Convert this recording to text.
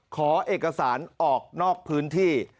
ขอเอกสารออกนอกพื้นที่